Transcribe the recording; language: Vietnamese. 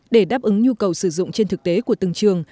để đáp ứng nhu cầu sử dụng trên thực tế của từng trường